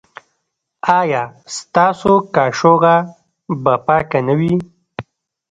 ایا ستاسو کاشوغه به پاکه نه وي؟